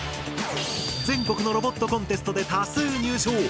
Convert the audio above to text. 全国のロボットコンテストで多数入賞！